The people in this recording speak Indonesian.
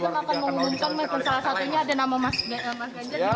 meskipun salah satunya ada nama mas ganjar